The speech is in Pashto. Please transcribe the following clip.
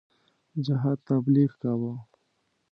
جهاد تبلیغ کاوه.